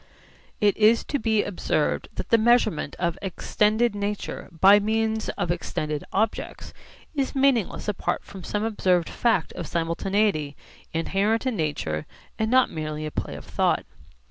It is to be observed that the measurement of extended nature by means of extended objects is meaningless apart from some observed fact of simultaneity inherent in nature and not merely a play of thought.